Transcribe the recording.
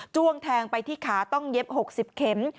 ้วงแทงไปที่ขาต้องเย็บ๖๐เข็ม